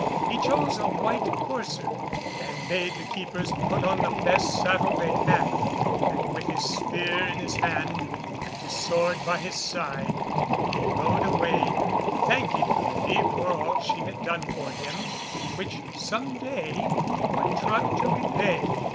He chose a white courser, and bade the keepers put on the best saddle they had, and with his spear in his hand and his sword by his side, he rode away, thanking the lady for all she had done for him, which some day he would try to repay.